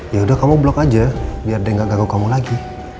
yaudah kamu blok aja biar dia gak ganggu kamu lagi